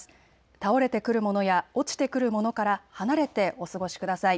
倒れてくるものや落ちてくるものから離れてお過ごしください。